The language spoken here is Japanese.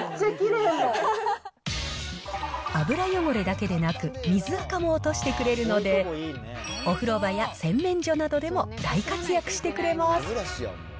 油汚れだけでなく、水あかも落としてくれるので、お風呂場や洗面所などでも大活躍してくれます。